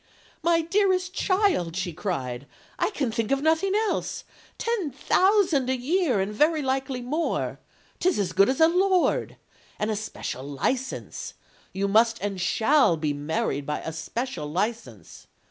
"'My dearest child,' she cried, 'I can think of nothing else! Ten thousand a year, and very likely more! 'Tis as good as a lord! And a special license. You must and shall be married by a special license.